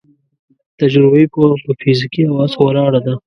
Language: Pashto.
تجربوي پوهه په فزیکي حواسو ولاړه ده.